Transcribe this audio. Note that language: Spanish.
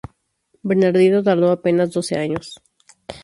Bernardino tardó apenas doce años.